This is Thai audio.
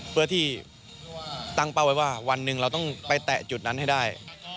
เพื่อที่ตั้งเป้าไว้ว่าวันหนึ่งเราต้องไปแตะจุดนั้นให้ได้